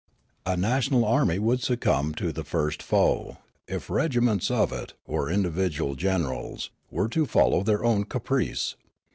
A national army would succumb to the first foe, if regiments of it, or individual generals, were to follow their own caprice.